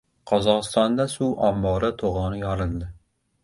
Qozog‘istonda suv ombori to‘g‘oni yorildi